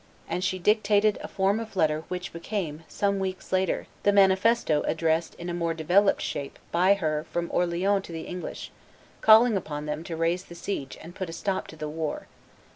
And she dictated a form of letter which became, some weeks later, the manifesto addressed in a more developed shape by her from Orleans to the English, calling upon them to raise the siege and put a stop to the war.